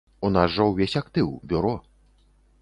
У нас жа ўвесь актыў, бюро.